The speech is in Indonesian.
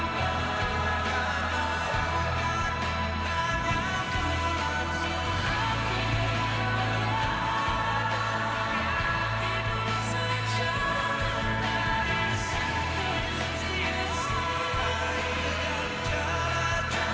dan kepala cu empat a angkatan bersenjata singapura